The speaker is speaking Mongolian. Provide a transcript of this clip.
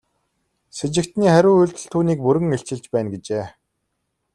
Сэжигтний хариу үйлдэл түүнийг бүрэн илчилж байна гэжээ.